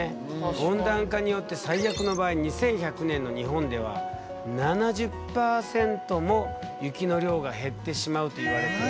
温暖化によって最悪の場合２１００年の日本では７０％も雪の量が減ってしまうといわれている。